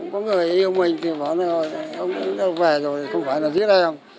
có người yêu mình thì bỏ ra gọi ông thêm về rồi không phải là giết em